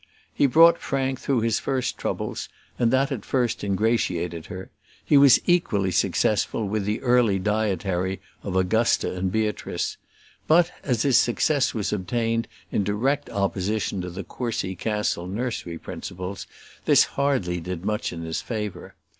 He brought Frank through his first troubles, and that at first ingratiated her; he was equally successful with the early dietary of Augusta and Beatrice; but, as his success was obtained in direct opposition to the Courcy Castle nursery principles, this hardly did much in his favour.